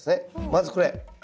まずこれ。